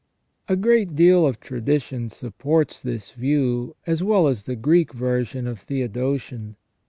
A great deal of tradition supports this view, as well as the Greek version of Theodotion.